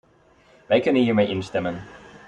Wij kunnen hiermee instemmen.